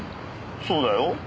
そうだよ。